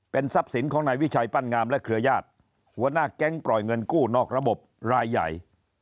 ทรัพย์สินของนายวิชัยปั้นงามและเครือญาติหัวหน้าแก๊งปล่อยเงินกู้นอกระบบรายใหญ่